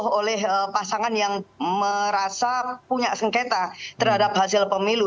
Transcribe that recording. ini juga terjadi dengan pasangan yang merasa punya sengketa terhadap hasil pemilu